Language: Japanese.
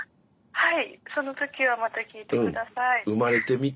はい。